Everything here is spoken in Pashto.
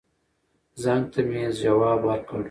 زنګ ته مې يې ځواب ور کړ.